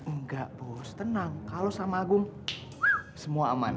enggak bos tenang kalau sama agung semua aman